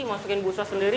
masukin busa sendiri